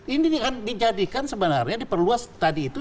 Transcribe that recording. ini kan dijadikan sebenarnya diperluas tadi itu